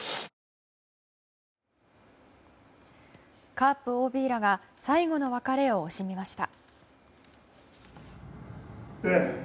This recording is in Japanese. カープＯＢらが最後の別れを惜しみました。